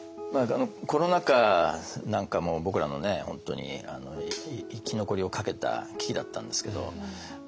コロナ禍なんかも僕らの本当に生き残りをかけた危機だったんですけど。